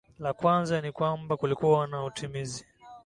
la kwanza ni kwamba kulikuwa na utimizi